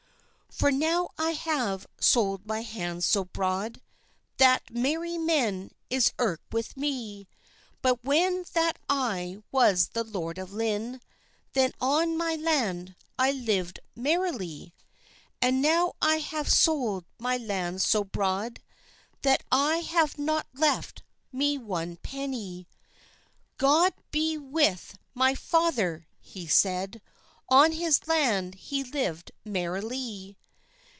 "For now I have sold my lands so broad That merry man is irke with mee; But when that I was the Lord of Lynne Then on my land I lived merrily; "And now I have sold my land so broade That I have not left me one pennye! God be with my father!" he said, "On his land he lived merrily."